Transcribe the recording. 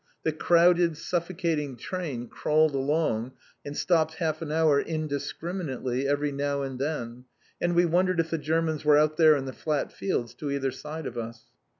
The crowded, suffocating train crawled along, and stopped half an hour indiscriminately every now and then, and we wondered if the Germans were out there in the flat fields to either side of us.